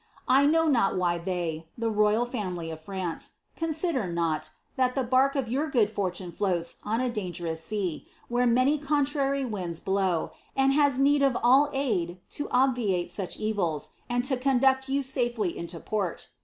I know not why they (tAi royal /run^ o^ Fraud) consider not, that the bark of youT good fortune Boats on a dangenHis sea, where many conirar; winds blow, and bas need of all aid lo obviate such evils, and to conducl you safely inio port.